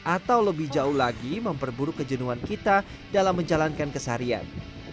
atau lebih jauh lagi memperburuk kejenuhan kita dalam menjalankan keseharian